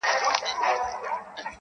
سړي و ویل قاضي ته زما بادار یې.